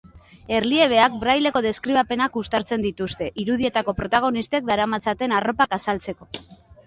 Erliebeak brailleko deskribapenak uztartzen dituzte, irudietako protagonistek daramatzaten arropak azaltzeko.